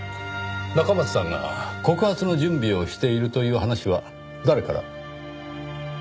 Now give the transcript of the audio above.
中松さんが告発の準備をしているという話は誰から？